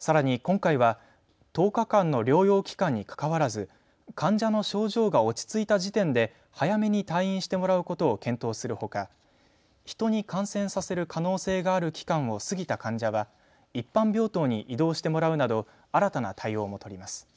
さらに今回は１０日間の療養期間に関わらず患者の症状が落ち着いた時点で早めに退院してもらうことを検討するほか、人に感染させる可能性がある期間を過ぎた患者は一般病棟に移動してもらうなど新たな対応も取ります。